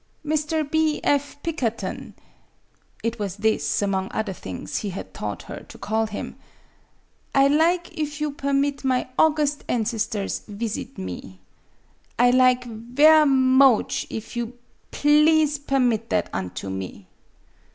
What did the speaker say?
MADAME BUTTERFLY 7 "Mr. B. F. Pikkerton," it was this, among other things, he had taught her to call him, "I lig if you permit my august ancestors visit me. I iig ver' moach if you please permit that unto me."